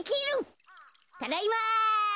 ただいま！